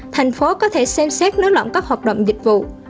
thành phố có thể xem xét nới lỏng các hoạt động dịch vụ